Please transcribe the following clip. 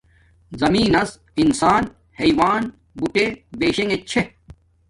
زمین نس انسان حیوان بوٹے بشنݣ چھے